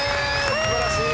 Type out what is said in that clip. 素晴らしい。